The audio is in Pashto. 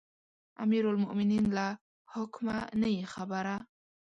امیرالمؤمنین له حکمه نه یې خبره.